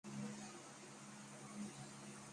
The last few minutes saw some moments of excitement.